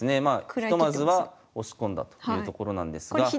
ひとまずは押し込んだというところなんですが。